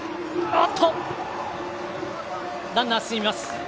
ランナー、進みます。